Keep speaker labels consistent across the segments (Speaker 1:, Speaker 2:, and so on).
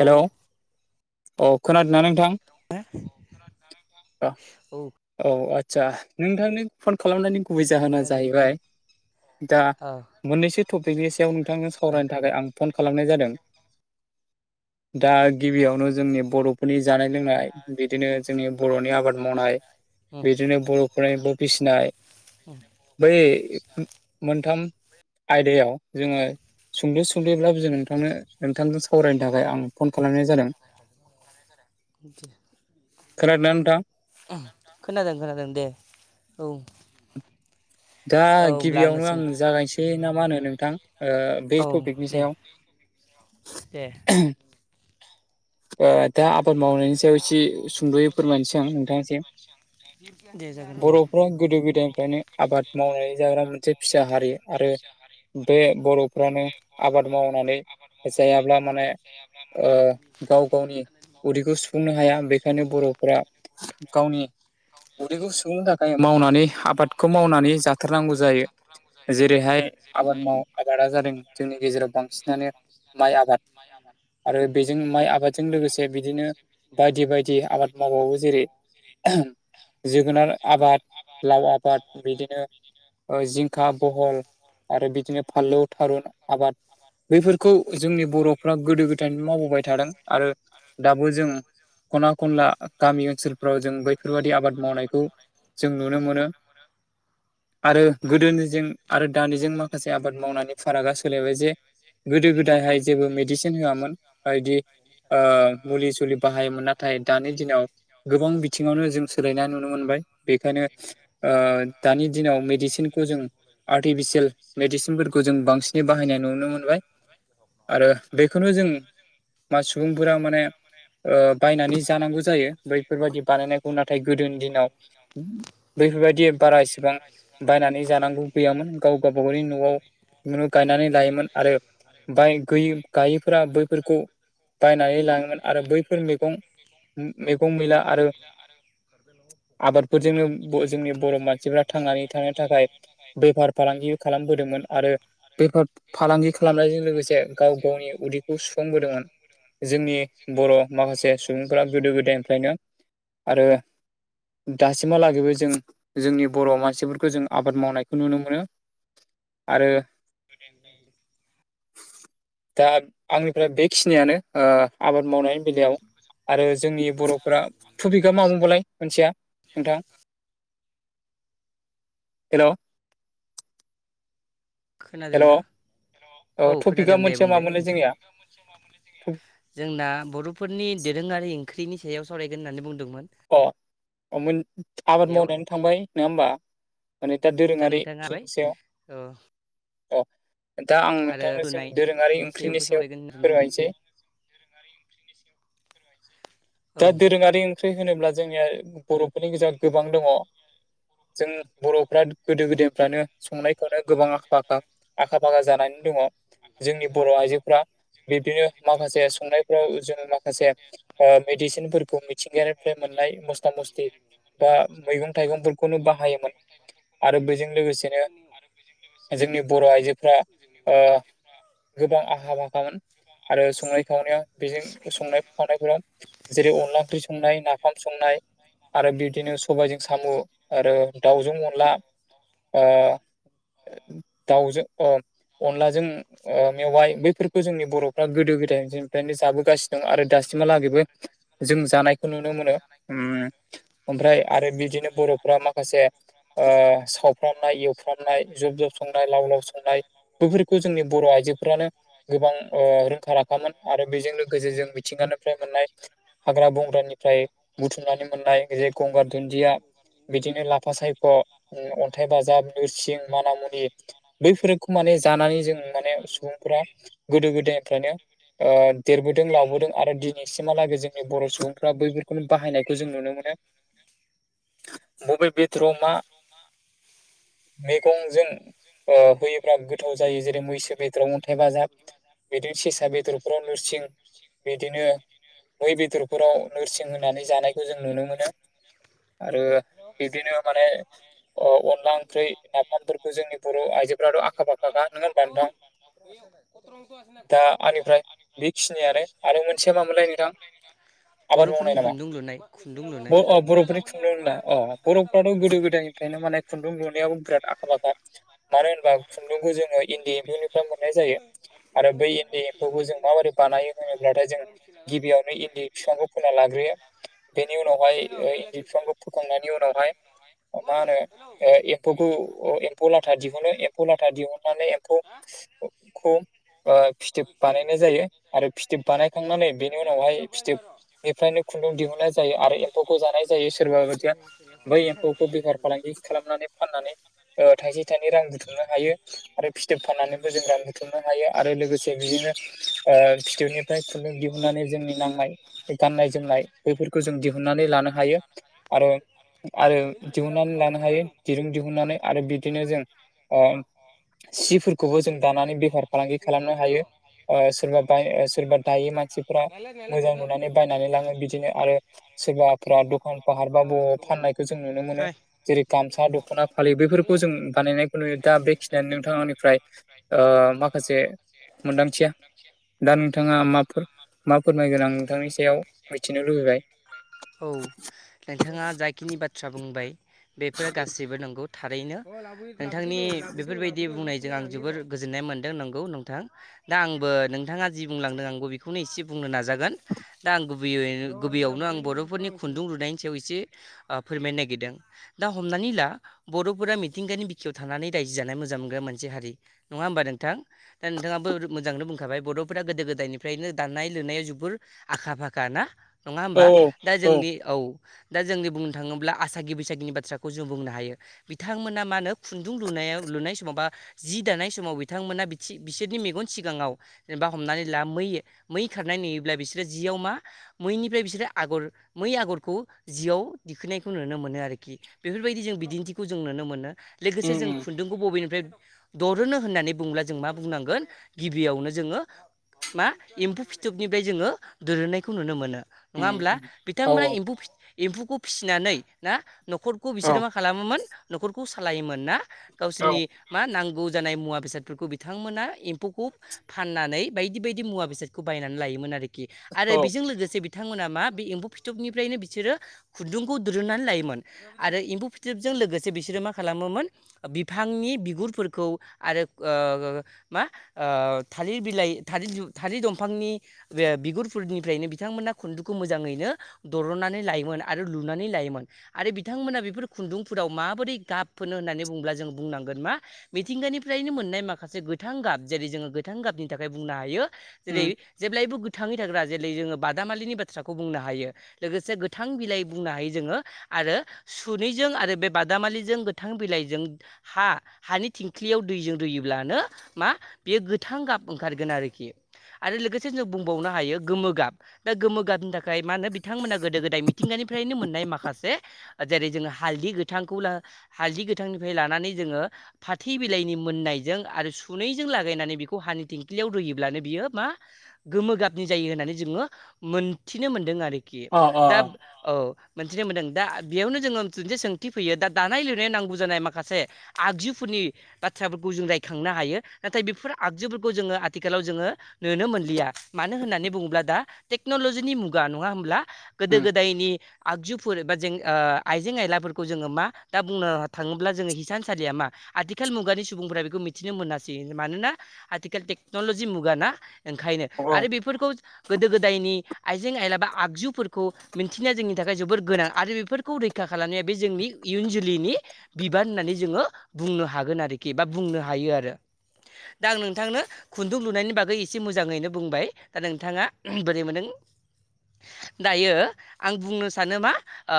Speaker 1: Hello औ खोनादों ना नोंथां?
Speaker 2: हो औ।
Speaker 1: औ आदसा नोंथांनो फन खालामनायनि गुबै जाहोना
Speaker 2: खोनादों
Speaker 1: जाहैबाय दा
Speaker 2: ओ
Speaker 1: मोननैसो टपिकनि सायाव नोंथांजों
Speaker 2: ओ
Speaker 1: सावरायनो थाखाय आं फन खालामनाय जादों। दा गिबियावनो जोंनि बर' फोरनि जानाय लोंनाय बिदिनो जोंनि बर'नि आबाद मावनाय
Speaker 2: उम
Speaker 1: बिदिनो बर'फोरनि एमफौ फिसिनाय बै मोनथाम आयदायाव जोङो सुंद' सुंद'यैब्लाबो जों नोंथांनो नोंथांजों सावरायनो थाखाय आं फन खालामनाय जादों। खोनादोंना नोंथां
Speaker 2: ओम खोनादों खोनादों दे औ।
Speaker 1: दा
Speaker 2: होमब्ला आङो
Speaker 1: गिबियावनो
Speaker 2: सों
Speaker 1: आं जागायनोसै ना मा होनो नोंथां? ओ बे
Speaker 2: औ
Speaker 1: टपिकनि
Speaker 2: दे
Speaker 1: सायाव?
Speaker 2: दे
Speaker 1: ओ दा आबाद मावनायनि सायाव एसे सुंद'यै फोरमायनोसै आं नोंथांनिसिम।
Speaker 2: दे जागोन। दे
Speaker 1: बर'फ्रा गोदो गोदायनिफ्रायनो आबाद मावनानै जाग्रा मोनसे फिसा हारि आरो बे बर'फ्रानो आबाद मावनानै जायाब्ला माने ओ गाव गावनि उदैखौ सुफुंनो हाया बेखायनो बर'फ्रा गावनि उदैखौ सुफुंनो थाखाय मावनानै आबाद जेरैहाय आबाद माव आबादा जादों जोंनि गेजेराव बांसिनानो माइ आबाद दा बिदिनो बायदि बायदि आबाद मावबावो जेरै जोगोनार आबाद, लाव आबाद बिदिनो ओ जिंखा, बहल आरो बिदिनो फानलौ, थारुन आबाद बैफोरखौ जोंनि बर'फ्रा गोदो गोदायनि मावबोबाय थादों आरो दाबो जों खना खनला गामि ओनसोलफ्राव जों बैफोरबादि आबाद मावनायखौ जों नुनो मोनो [unintelligible] आरो गोदोनिजों आरो दानिजों माखासे आबाद मावनानै फारागा सोलायबाय जे गोदो गोदायहाय जेबो मेडिसिन होयामोन बायदि ओ मुलि सुलि बाहायोमोन नाथाय दानि दिनाव गोबां बिथिंङावनो जों सोलायनाय नुनो मोनबाय बेखायनो ओ दानि दिनाव मेडिसिनखौ जों आर्टिफिसियेल मेडिसिनफोरखौ जों बांसिन बाहायनाय नुनो मोनबाय आरो बेखौनो जों मा सुबुंफोरा माने ओ बायनानै जानांगौ जायो बैफोरबायाददि बानायनायखौ नाथाय गोदोनि दिनाव बैफोरबायदि बारा इसिबां बायनानै जानांगौ गैयामोन गाव गावबागावनि न'आव नो गोरिब गायैफोरा बैफोरखौ बायनानै लांङोमोन आरो बैफोर मैगं मैगं मैला आरो
Speaker 2: [unintelligible]
Speaker 1: बो जोंनि बर' मानसिफ्रा थांनानै थानो थाखाय बेफार फालांगि खालामबोदोंमोन आरो बेफार फालांगि खालामनायजों लोगोसे गाव गावनि उदैखौ सुफुंबोदोंमोन जोंनि बर' माखासे सुबुंफोरा गोदो गोदायनिफ्रायनो आरो दासिमहालागैबो जों जोंनि बर' मानसिफोरखौ जों आबाद मावनायखौ नुनो मोनो आरो
Speaker 2: [unintelligible]
Speaker 1: दा आंनिफ्राय बेखिनियानो ओ आबाद मावनाय बेलायाव आरो जोंनि बर'फोरा, टपिकआ मा बुंबावलाय मोनसेया नोंथां? हेल'!
Speaker 2: खोनादों
Speaker 1: हेल'
Speaker 2: ना?
Speaker 1: औ टपिकआ मोनसेया मामोनलाय जोंनिया?
Speaker 2: समा मोनला जोंनिया जोंना बर'फोरनि दोरोंङारि ओंख्रिनि सायाव सावरायगोन होननानै बुंदोंमोन।
Speaker 1: अह अ आबाद
Speaker 2: बेयाव
Speaker 1: मावनायानो थांबाय नंङा होमबा। माने दा दोरोंङारि
Speaker 2: नोंथाङा हाबाय
Speaker 1: ख्रिनि
Speaker 2: औ
Speaker 1: सायाव अह दा आं
Speaker 2: आरो
Speaker 1: नोंथांनो जों
Speaker 2: रुनाय
Speaker 1: दोरोंङारि
Speaker 2: बिनि
Speaker 1: ओंख्रिनि
Speaker 2: सायावबो
Speaker 1: सायाव
Speaker 2: सावरायगोन होन
Speaker 1: फोरमायनोसै। दा
Speaker 2: औ
Speaker 1: दोरोंङारि ओंख्रि होनोब्ला जोंनिया बर'फोरनि गेजेराव गोबां दङ। जों बर'फ्रा गोदो-गोदायफ्रानो संनायखौनो गोबां आखा-फाखा। आखा-फाखा जानानै दङ। जोंनि बर' आइजोफ बिब्दिनो माखासे संनायफ्राव जों माखासे ओ मेदिसिनफोरखौ मिथिंगायारिफ्राय मोननाय मस्था मस्ती बा मैगं थाइगंफोरखौनो बाहायोमोन। आरो बेजों लोगोसेनो जोंनि बर' आइजोफ्रा ओ गोबां आहा फाखामोन आरो संनाय खावनायाव बेजों संनाय खावनायफोरा जेरै अनला ओंख्रि संनाय नाफाम संनाय आरो बिदिनो सबायाइजों साम' आरो दाावजों अनला ओ दाउजों अनलाजों मेवाइ बैफोरखौ जोंनि बर'फ्रा गोदो-गोदायनिफ्रायनो जाबोगासिनो दं आरो दासिमहालागैबो जों जानायखौ नुनो मोनो उम ओमफ्राय आरो बिदिनो बर'फ्रा माखासे ओ सावफ्रामनाय एवफ्रामनाय जब जब संनाय लाव-लाव संनाय बेफोरखौ जोंनि बर' आइजोफोरानो गोबां रोंखा राखामोन आरो बेजों लोगोसे जों मिथिंगानिफ्राय मोननाय हाग्रा बंग्रानिफ्राय बुथुमनानै मोननाय जे गंगार दुन्दिया बिदिनो लाफा सायख' अन्थाइ बाजाब नोरसिं मानामुनि बैखौ माने जानानै जों माने सुबुंफोरा गोदो गोदायनिफ्रायनो देरबोदों लबोदों आरो दिनैसिम महालागै जोंनि बर' सुबुंफ्रा बैफोरखौनो बाहायनायखौ जों नुनो मोनो। मबे बेदराव मा मैगंजों होयोब्ला गोथाव जायो जेरै मैसो बेद बेदराव अन्थाइ बाजाब बिदिनो सेसा बेदरफोराव नोरसिं बिदिनो मै बेदरफोराव नोरसिं होनानै जानायखौ जों नुनो मोनो। आरो बिदिनो माने अनला ओंख्रि नाफामफोरखौ जोंनि बर' आइजोफोराथ' आखा फाखाखा नङा होनबा नोंथां दा आंनिफ्राय बेखिनियानो आरो मोनसेया मा मोनलाय? आबाद
Speaker 2: बर'फोरनि
Speaker 1: मावनाय नामा
Speaker 2: खुन्दुं लुनाय खुन्दुं लुनाय
Speaker 1: बर'फोरनि खुंन्दुंनाय अ बर' थ' गोदो गोदायनिफ्रायनो माने खुन्दुं लुनायावबो बिराद आखा फाखा मानो होनोबा खुन्दुंखौ जो इनि नो मोननाय जायो आरो बै इन्दि एम्फौखौ जों माबोरै बानायो होनोब्लाथाय जों गिबियावनो इन्दि बिफांखौ फोना लाग्रोयो बेनि उनावहाय इन्जेकसनखौ फोखांनायनि उनावहाय मा होनो एम्फखौ एम्फौ लाथा दिहुनो एम्फौ लाथा दिहुननानै फिथोब बानायनाय जायो आरो फिथोब बानायखांनानै बे बेनि उनावहाय फिथोबनिफ्रायनो खुन्दुं दिहुननाय जायो आरो एम्फौखौ जानाय जायो सोरबा बायदिया बै एम्फौखौ बेफार फालांगि खालामनानै फाननानै थाइसे थाइनै रां बुथुमनो हायो। आरो फिथोब फाननानैबो जों दा बुथुमनो हायो आरो लोगोसे बिदिनो ओ फिथोबनिफ्राय खुन दिहुननानै जोंनि नांनाय गाननाय जोमनाय बैफोरखौ जों दिहुनन्नानै लानो हायो आरो आरो दिहुननानै लानो हायो दिरुं दिहुननानै आरो बिदिनो जों सिफोरखौबो जों दानानै बेफार फालांगि खालामनो हायो। सोरबा ब सोरबा दायो मानसि मोजां नुनानै बायनानै लाङो बिदिनो आरो सोरबाबा द'खान फाहार बा बबावा फाननाय जों नुनो मोनो जेरै गामसा दख'ना फालि बेैफोरखौ जों बानायनायखौ नुयो दा बेखिनियानो नोंथां। निफ्राय ओ माखासे मोनदांथिया दा नोंथाङा माबाफोर मा फोरमायगोन आं नोंथांनि सायाव मिथिनो लुबैबाय।
Speaker 2: औ नोंथाङा जाखिनि बाथ्रा बुंबाय बेफोर गासैबो नंगौ थारैनो। नोंथांनि बेफोरबायदि बुंनायजों आं जोबोर गोजोननाय मोनदों नंगौ नोंथां। दा आंबो नोंथाङा जि बुंलांदों आंबो बेखौनो एसे बुंनो नाजागोन। दा आं गुबैयै गुबैयावनो आं बर'फोरनि खुन्दुं लुनायनि सायाव एसे फोरमायनो नागिरदों। दा हमनानै ला बर'फोरा मिथिंगानि बिखायाव थानानै रायजो जानाय मोजां मो बो मोनसे हारि। नङा होमबा नोंथां? दा नोंथाङाबो रो मोजांनो बुंखाबाय बर'फोरा गोदो गोदायनिफ्रायनो दानाय लुनायाव जुबोर आखा फाखा ना नङा
Speaker 1: औ
Speaker 2: होमबा? दा जोंनि औ। दा जोंनि बुंनो थाङोब्ला आसागि बैसागिनि बाथ्राखौ जों बुंनो हायो। बिथांमोना मा नो खुन्दुं लुनायाव लुनाय स माव बा जि दानाय समाव बिथांमोना बिथि बिसोरनि मेगन सिगाङाव जेनेबा हमनानै ला मै मै खारनाय नुयोब्ला बिसोरो जियाव मा मैनिफ्राय बिसोरो आगर मै आगरखौ जिआव दिखोननायखौ नुनो मोनो आरोखि। बेफोरबायदि जों बिदिन्थिखौ जों नुनो मोनो। लोगोसे
Speaker 1: उम
Speaker 2: जों
Speaker 1: उम
Speaker 2: खुन्दुंखौ बबेनि फ्राय दरोनो होननानै बुंब्ला जों मा बुंनांगोन गिबियावनो जोङो मा एम्फौ फिथोबनिफ्राय जोङो दोरुनायखौ नुनो मोनो। नङा
Speaker 1: उम
Speaker 2: होमब्ला?
Speaker 1: उम औ
Speaker 2: बिथांमोना एम्फु फि एम्फौखौ फिसिनानै ना न'खरखौ
Speaker 1: औ
Speaker 2: बिसोरो मा खालामोमोन न'खरखौ सालायोमोन ना।
Speaker 1: औ
Speaker 2: गावसोरनि मा नांगौ जानाय मुवा बेसादफोरखौ बिथांमोना एम्फौखौ फाननानै बायदि बायदि मुवा बेसादखौ बायनानै लायोमोन आरोखि। आरो
Speaker 1: औ
Speaker 2: बेजों लोगोसे बि थांमोना मा बे एम्फौ फिथोबनिफ्रायनो बिसोरो खुन्दुंखौ दुरुननानै लायोमोन। आरो एम्फौ फिथोबजों लोगोसे बिसोरो मा खालामोमोन बिफांनि बि गुरफोरखौ आरो ओ ओ ओ मा ओ थालिर बिलाइ थालि-थालिर दंफांनि बे बिगुरफोरनिफ्रायनो बिथांमोना खुन्दुखौ मोजाङैनो दर'नानै लायोमोन आरो लुनानै लायोमोन। आरो बिथांमोना बेफोर खुन्दुंफोराव माबोरै गाब फोनो होननानै बुंङोब्ला जों बुंनांगोन मा मिथिंगानिफ्रायनो मोननाय माखासे गोथां गाब जेरै जोङो गोथां गाबनि थाखाय बुंनो हायो जेरै
Speaker 1: उम
Speaker 2: जेब्लायबो गोथाङै थाग्रा जेरै जोङो बादामालिनि बाथ्राखौ बुंनो हायो। लोगोसे गोथां बिलाइ बुंनो हायो जोङो। आरो सुनैजों आरो बे बादामालिजों गोथां बिलाइजों हा हानि थिंख्लियाव दैजों रुयोब्लानो मा बेयो गोथां गाब ओंखारगोन आरोखि। आरो लोगोसे जों बुंबावनो हायो गोमो गाब। दा गोमो गाबनि थाखाय मा होनो बिथांमोना गोदो गोदाय मिथिंगानिफ्रायनो मोननाय माखासे ओ जेरै जोङो हालदि गोथांखौ हालदि गोथांनिफ्राय लानानै जोङो फाथि बिलाइनि मोननायजों आरो सुनैजों लागायनानै बेखौ हानि थिंख्लियाव रुयोब्लानो बियो मा गोमो गाबनि जायो होननानै जोङो मोनथिनो मोनदों आरोखि।
Speaker 1: अ अ
Speaker 2: दा
Speaker 1: अ
Speaker 2: औ। मोनथिनो मोनदों। दा बेयावनो जोङो मोनसे सोंथि फैयो दा दानाय लुनाय नांगौ जानाय माखासे आगजु फोरनि बाथ्राफोरखौ जों रायखांनो हायो। नाथाय बेफोर आगजुफोरखौ जोङो आथिखालाव जोङो नुनो मोनलिया। मानो होननानै बुङोब्ला दा टेक्न'लजिनि मुगा, नङा होमब्ला? गोदो
Speaker 1: उम
Speaker 2: गोदायनि आगजुफोर एबा जें ओ आइजें आइलाफोरखौ जोङो मा दा बुंनो थाङोब्ला जोङो हिसानसालिया मा आथिखाल मुगानि सुबुंफोरा बेखौ मिथिनो मोनासि। मानोना आथिखाल टेक्न'लजि मुगा ना ओंखायनो।
Speaker 1: औ
Speaker 2: आरो बेफोरखौ गोदो गोदायनि आइजें आइलाबा आगजुफोरखौ मिन्थिनाया जोंनि थाखाय जोबोर गोनां। आरो बेफोरखौ रैखा खा खालामनाया बे जोंनि इयुन जोलैनि बिबान होननानै जोङो बुंनो हागोन आरोखि बा बुंनो हायो आरो। दा आं नोंथांनो खुन्दुं लुनायनि बागै एसे मोजाङैनो बुंबाय। दा नोंथाङा बोरै मोनदों दायो आं बुंनो सानो मा ओ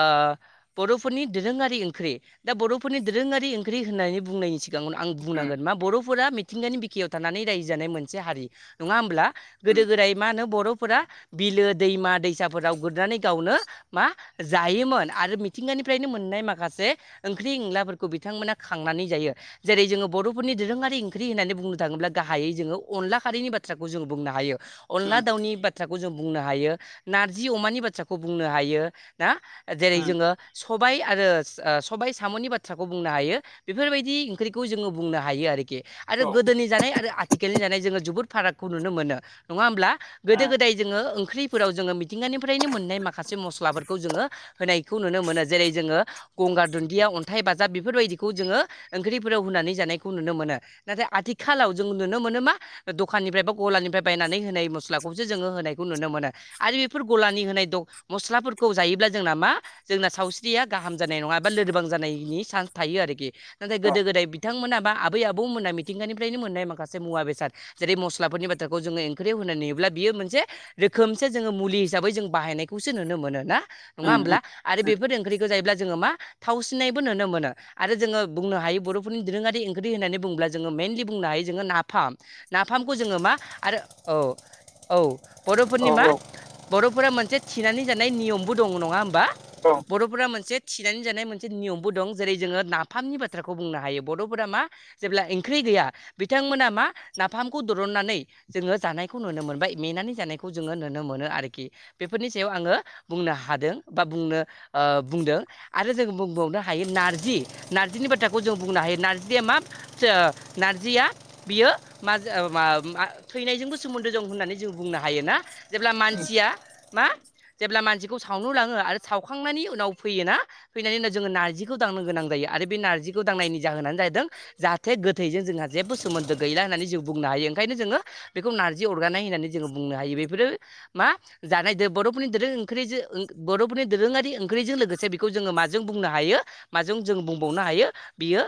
Speaker 2: बर'फोरनि दोरोङारि ओंख्रि दा बर'फोरनि दोरोङारि ओं ओंख्रि होननानै बुंनायनि सिगाङावनो आं
Speaker 1: उम
Speaker 2: बुंनांगोन मा बर'फोरा मिथिंगानि बिखायाव थानानै रायजो जानाय मोनसे हारि नङा होमब्ला गोदो
Speaker 1: उम
Speaker 2: गोदाय मा होनो बर'फोरा, बिलो दैमा दैसाफोराव गुरनानै गावनो, मा जायोमोन आरो मिथिंगानिफ्रायनो मोननाय माखासे ओंख्रि एंलाफोरखौ बिथांमोना, खांनानै जायो। जेरै जोङो बर'फोरनि दोरोङारि ओंख्रि होननानै बुंनो थाङोब्ला गाहायै जोङो अनला खारैनि बाथ्राखौ जोङो बुंनो हायो।
Speaker 1: उम
Speaker 2: अनला दाउनि बाथ्राखौ जों बुंनो हायो नारजि अमानि बाथ्राखौ बुंनो हायो। ना जेरै
Speaker 1: औ
Speaker 2: जोङो सबाय आरो सबाय साम'नि बाथ्राखौ बुंनो हायो। बेफोरबायदि ओंख्रिखौ जोङो बुंनो हायो आरोखि आरो गोदोनि जानाय आरो आथिखालनि जानाय जोङो जोबोद फारागखौ नुनो मोनो नङा होमब्ला गोदो
Speaker 1: औ
Speaker 2: गोदाय जोङो ओंख्रिफोराव जोङो मिथिंगानिफ्रायनो मोननाय माखासे मस्लाफोरखौ जोङो। होनायखौ नुनो मोनो जेरै जोङो गंगार दुन्दिया अन्थाइ बाजाब बेफोरबायदि, खौ जोङो ओंख्रिफोराव होनानै जानायखौ नुनो मोनो नाथाय आथिखालाव जों नुनो मोनो मा, दखाननिफ्राय बा गलानिफ्राय बायनानै होनाय मस्लाखौसो जोङो होनायखौ नुनो मोनो, आरो बेफोर गलानि होनाय द मस्लाफोरखौ जायोब्ला जोंना मा, जोंना सावस्रिया गाहाम जानाय नङा एबा लोरबां जानायनि सानस थायो आरोखि नाथाय गोदो गोदाय बिथांमोन बा आबै आबौ मोना मिथिंगानिफ्रायनो मोननाय माखासे मुवा बेसाद, जेरै मस्लाफोरनि बाथ्राखौ जोङो ओंख्रियाव होनाय नुयोब्ला बियो मोनसे, रोखोमसो जोङो मुलि हिसाबै जों बाहायनायखौसो नुनो मोनोना, नङा होमब्ला आरो बेफोर ओंख्रिखौ जायोब्ला जोङो मा थावसिननायबो नुनो मोनो, आरो जोङो बुंनो हायो बर'फोरनि दोरोङारि ओंख्रि होननानै बुङोब्ला जोङो मेनलि बुंनो हायो जोङो नाफाम, नाफामखौ जोङो मा आरो औ, औ बर'फोरनि मा
Speaker 1: औ
Speaker 2: बर'फोरा मोनसे थिनानै जानाय नियमबो दङ नङा होमबा,
Speaker 1: औ
Speaker 2: बर'फोरा मोनसे थिनानै जानाय मोनसे नियमबो दं जेरै जोङो नाफामनि बाथ्राखौ बुंनो हायो बर'फोरा मा, जेब्ला ओंख्रि गैया बिथांमोना मा नाफामखौ दरननानै, जोङो जानायखौ नुनो मोनबाय मेंनानै जानायखौ जोङो नुनो मोनो आरोखि बेफोरनि सायाव आङो बुंनो हादों बा बुंनो ओ बुंदों, आरो जों बुंबावनो हायो नारजि नारजि बाथ्राखौ जों बुंनो हायो नार्जिया मा, सो नारजिया, बियो माजो मा थैनायजोंबो सोमोन्दो दं होननानै जों बुंनो हायो ना? जेब्ला मानसिया, मा जेब्ला मानसिखौ सावनो लाङो आरो सावखांनायनि उनाव फैयोना फैनायनि उनाव जोङो नारजि खौ दांनो गोनां जायो आरो बे नारजिखौ दांनायनि जाहोनानो जादों। जाहाथे गोथैजों जोंहा जेबो सोमोन्दो गैला होननानै जों बुंनो हायो ओंखायनो जोङो। बेखौ नारजि अरगानाय होननानै जोङो बुंनो हायो बेफोरो मा, जानाय बर'फोरनि दोरों ओंख्रिजों बर'फोरनि दोरोङारि ओंख्रिजों लोगोसे बेखौ जोङो माजों बुंनो हायो। माजों जों बुंबावनो हायो बियो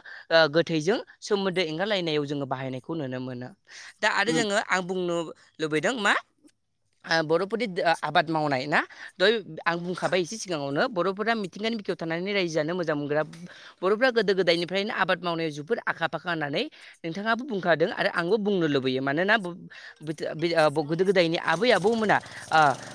Speaker 2: गोथैजों सोमोन्दो एंगारलायनायाव जोङो बाहायनायखौ नुनो मोनो, दा
Speaker 1: औ
Speaker 2: आरो जोङो आं बुंनो लुबैदों मा, ओ बर'फोरनि आबाद मावनाय ना, दहाय आं बुंखाबाय एसे सिगाङावनो बर'फोरा मिथिंगानि बिखायाव थानानै रायजोआनो मोजां मोनग्रा, बर'फ्रा गोदो गोदायनिफ्रायनो आबाद मावनायाव जोबोद आखा फाखा होननानै, नोंथाङाबो बुंखादों आरो आंबो बुंनो लुबैयो मानोना गोदो गोदायनि आबै आबौ मोना ओ,